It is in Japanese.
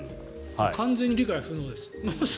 完全に理解不能です。